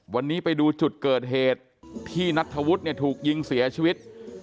วันนี้ไปดูจุดเกิดเหตุที่นัทธวุฒิเนี่ยถูกยิงเสียชีวิต